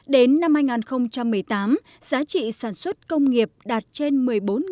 đến năm hai nghìn một mươi tám giá trị sản xuất công nghiệp đạt trên một mươi ba trăm linh tỷ đồng